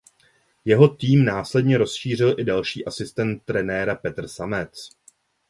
Jeho tým následně rozšířil i další asistent trenéra Petr Samec.